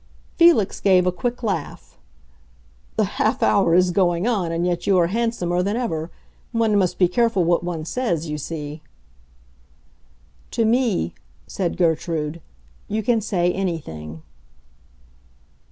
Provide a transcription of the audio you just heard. Felix gave a quick laugh. "The half hour is going on, and yet you are handsomer than ever. One must be careful what one says, you see." "To me," said Gertrude, "you can say anything."